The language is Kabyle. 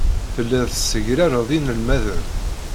Tellid tessegrared inelmaden.